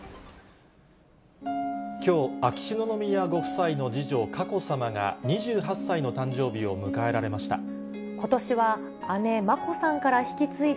きょう、秋篠宮ご夫妻の次女、佳子さまが、２８歳の誕生日を迎えられました。